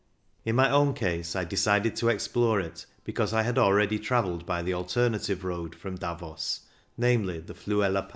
In my own case I decided to explore it, because I had already travelled by the alternative road from Davos, namely, the Fluela Pass.